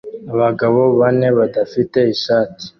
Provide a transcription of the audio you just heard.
Abagabo bane badafite ishati